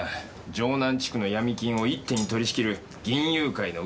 城南地区の闇金を一手に取り仕切る銀雄会の裏金庫番。